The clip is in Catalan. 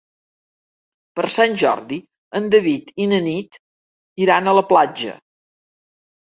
Per Sant Jordi en David i na Nit iran a la platja.